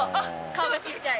顔がちっちゃい。